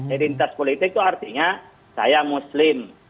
identitas politik itu artinya saya muslim